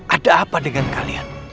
ada apa dengan kalian